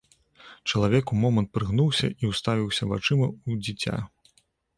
Чалавек умомант прыгнуўся і ўставіўся вачыма ў дзіця.